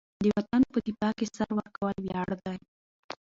د وطن په دفاع کې سر ورکول ویاړ دی.